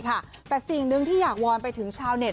แต่สิ่งหนึ่งที่อยากวอนไปถึงชาวเน็ต